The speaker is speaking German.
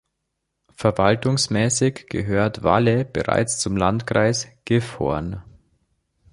Verwaltungsmäßig gehört Walle bereits zum Landkreis Gifhorn.